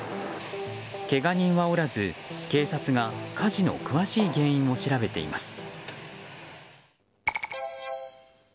けが人はおらず、警察が火事の詳しい原因を調べています。